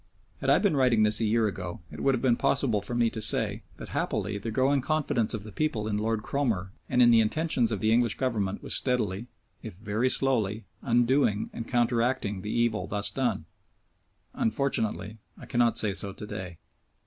Had I been writing this a year ago it would have been possible for me to say that happily the growing confidence of the people in Lord Cromer and in the intentions of the English Government was steadily, if very slowly, undoing and counteracting the evil thus done. Unfortunately I cannot say so to day.